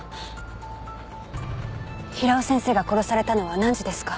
平尾先生が殺されたのは何時ですか？